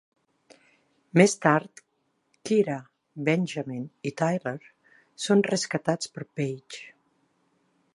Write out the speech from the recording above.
Més tard Kyra, Benjamin i Tyler són rescatats per Paige.